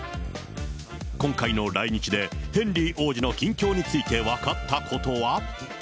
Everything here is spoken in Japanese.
今回の来日でヘンリー王子の近況について分かったことは？